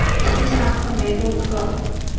西萨克梅多克。